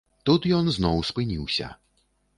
Тут ён зноў спыніўся.